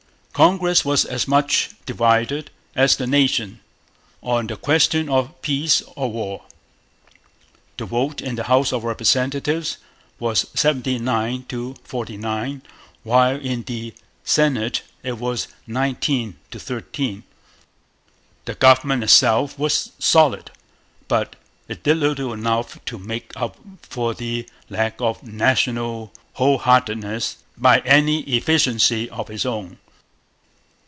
Congress was as much divided as the nation on the question of peace or war. The vote in the House of Representatives was seventy nine to forty nine, while in the Senate it was nineteen to thirteen. The government itself was 'solid.' But it did little enough to make up for the lack of national whole heartedness by any efficiency of its own.